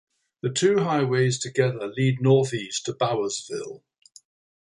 The two highways together lead northeast to Bowersville.